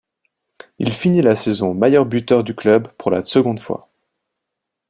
Il finit la saison meilleur buteur du club pour la seconde fois.